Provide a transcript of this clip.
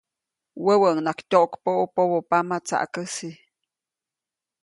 Wäwäʼunŋaʼajk tyoʼkpäʼu pobopama tsaʼkäsi.